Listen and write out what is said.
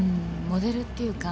モデルっていうか。